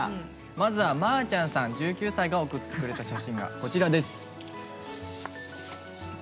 まずは、まーちゃんさん１９歳が送ってくれた写真です。